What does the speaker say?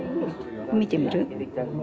見てみる？